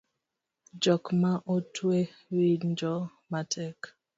Jok ma otwe winjo matek